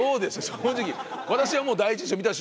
正直。